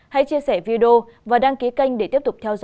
hãy chia sẻ video và đăng ký kênh để tiếp tục theo dõi